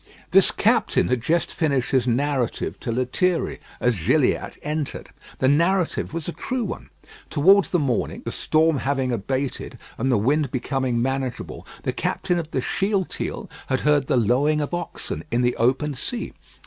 This captain had just finished his narrative to Lethierry as Gilliatt entered. The narrative was a true one. Towards the morning, the storm having abated, and the wind becoming manageable, the captain of the Shealtiel had heard the lowing of oxen in the open sea.